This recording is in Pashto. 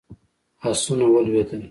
آسونه ولوېدل.